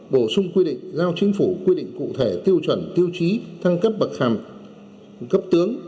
bổ sung quy định giao chính phủ quy định cụ thể tiêu chuẩn tiêu chí thăng cấp bậc hàm cấp tướng